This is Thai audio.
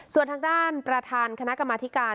ส่วนทางด้านประธานคณะกรรมธิการ